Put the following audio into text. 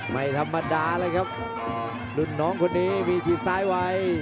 ไม่ธรรมดานะครับหลุ่นน้องคนนี้มีพีชซ้ายวัย